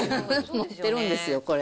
持ってるんですよ、これ。